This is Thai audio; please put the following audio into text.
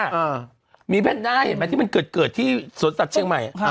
หมีแพนด้ามาใช่มั้ยที่มันเกิดขึ้นที่สวนตัดเชียงใหม่